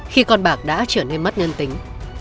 khi con bạc đã trở nên mất ngân tính